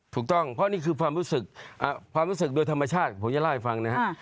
ถูกต้องเพราะนี่คือความรู้สึกความรู้สึกโดยธรรมชาติผมจะเล่าให้ฟังนะครับ